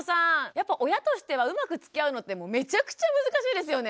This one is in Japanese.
やっぱ親としてはうまくつきあうのってめちゃくちゃ難しいですよね。